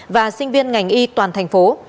và sinh viên ngành y toàn thành phố